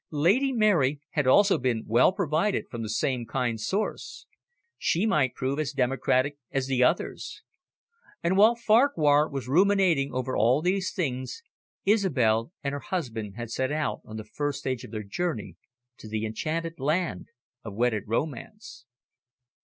Lady Mary had also been well provided for from the same kind source. She might prove as democratic as the others. And, while Farquhar was ruminating over all these things, Isobel and her husband had set out on the first stage of their journey to the enchanted land of wedded romance.